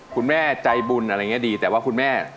คุณแม่ใจบุญอะไรอย่างนี้ดีแต่ว่าคุณแม่